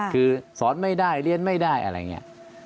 คือสอนไม่ได้เรียนไม่ได้อะไรอย่างนี้